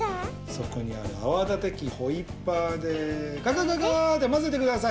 そこにあるあわだてきホイッパーでガガガガーってまぜてください。